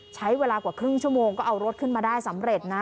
ใช้เวลากว่าครึ่งชั่วโมงก็เอารถขึ้นมาได้สำเร็จนะ